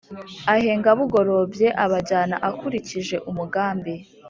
ahenga bugorobye abajyana akurikije umugambi